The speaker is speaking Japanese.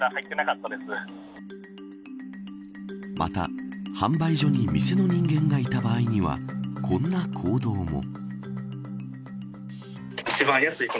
また、販売所に店の人間がいた場合にはこんな行動も。